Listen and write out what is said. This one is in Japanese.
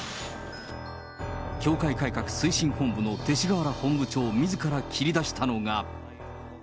教会改革推進本部の勅使河原本部長みずから切り出したのが。